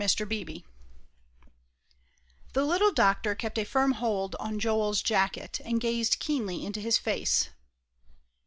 BEEBE The little doctor kept a firm hold on Joel's jacket, and gazed keenly into his face.